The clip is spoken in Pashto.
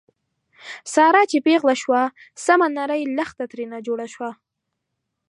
ساره چې را پېغله شوه، سمه نرۍ لښته ترېنه جوړه شوه.